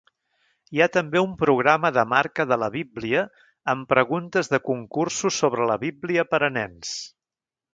Hi ha també un programa de marca de la Bíblia amb preguntes de concursos sobre la Bíblia per a nens.